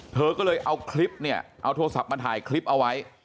เธอก็เลยเอาคลิปเนี่ยเอาโทรศัพท์มาถ่ายคลิปเอาไว้